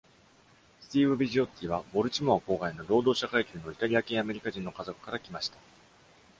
スティーブビジオッティはボルチモア郊外の労働者階級のイタリア系アメリカ人の家族から来ました。